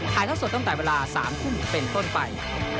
เท่าสดตั้งแต่เวลา๓ทุ่มเป็นต้นไป